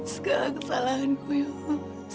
segala kesalahanku ya allah